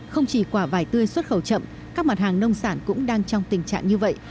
không chỉ quả vải tươi xuất khẩu chậm các mặt hàng nông sản cũng đang trong tình trạng như vậy